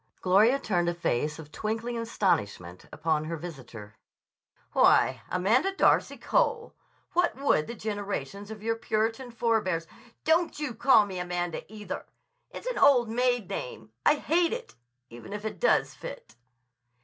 Gloria turned a face of twinkling astonishment upon her visitor. "Why, Amanda Darcy Cole! What would the generations of your Puritan forbears—" "Don't you call me Amanda, either! It's an old maid name. I hate it—even if it does fit."